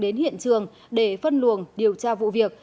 đến hiện trường để phân luồng điều tra vụ việc